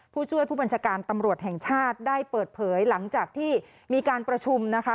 ผู้ช่วยผู้บัญชาการตำรวจแห่งชาติได้เปิดเผยหลังจากที่มีการประชุมนะคะ